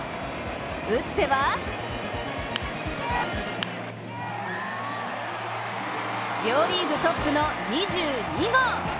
打っては両リーグトップの２２号。